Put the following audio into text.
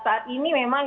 saat ini memang